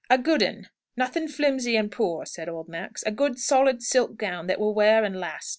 "A good 'un. Nothing flimsy and poor," said old Max. "A good, solid silk gown, that will wear and last.